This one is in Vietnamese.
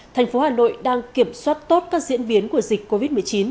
thành phố hà nội đang kiểm soát tốt các diễn biến của dịch covid một mươi chín